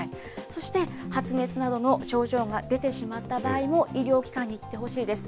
そして、発熱などの症状が出てしまった場合も、医療機関に行ってほしいです。